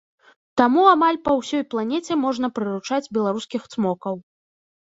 Таму амаль па ўсёй планеце можна прыручаць беларускіх цмокаў.